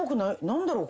何だろう？